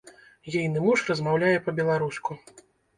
Ейны муж размаўляе па-беларуску.